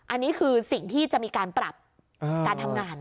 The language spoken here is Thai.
อันนี้คือสิ่งที่จะมีการปรับการทำงาน